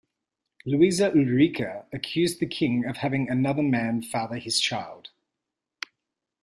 Louisa Ulrika accused the king of having another man father his child.